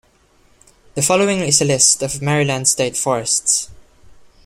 The following is a list of Maryland state forests.